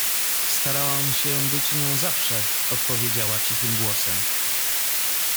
— Starałam się być nią zawsze — odpowiedziała cichym głosem.